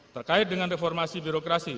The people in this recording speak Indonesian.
terkait dengan reformasi birokrasi